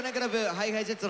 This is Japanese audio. ＨｉＨｉＪｅｔｓ